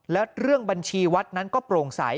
แล้วเรื่องบัญชีวัดนั้นก็โปร่งใส